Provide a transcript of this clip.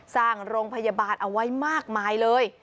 สร้างโรงพยาบาลเอาไว้มากมายเลย